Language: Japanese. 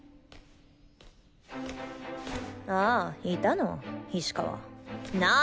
あぁいたの菱川。